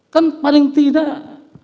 kan paling tidak